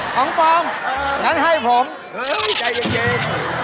ของปลอมอย่างนั้นให้ผมเออใจเย็น